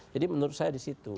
jadi menurut saya di situ